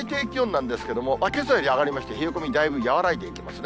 最低気温なんですけども、けさより上がりまして、冷え込みだいぶ和らいでいきますね。